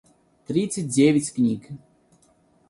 тридцать девять книг